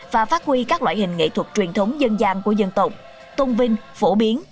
và phát huy các loại hình nghệ thuật truyền thống dân gian của dân tộc tôn vinh phổ biến